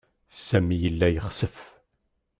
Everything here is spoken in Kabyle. Sami yella yexsef.